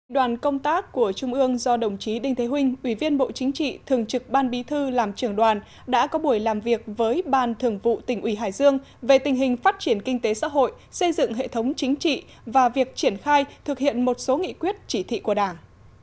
đoàn công tác của trung ương do đồng chí đinh thế huynh ủy viên bộ chính trị thường trực ban bí thư làm trưởng đoàn đã có buổi làm việc với ban thường vụ tỉnh ủy hải dương về tình hình phát triển kinh tế xã hội xây dựng hệ thống chính trị và việc triển khai thực hiện một số nghị quyết chỉ thị của đảng